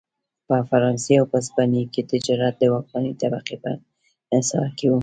په فرانسې او هسپانیا کې تجارت د واکمنې طبقې په انحصار کې و.